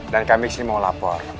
dan kami kesini mau lapor